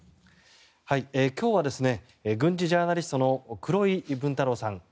今日は軍事ジャーナリストの黒井文太郎さん。